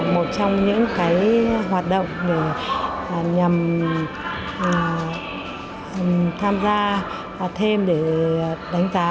một trong những hoạt động nhằm tham gia thêm để đánh giá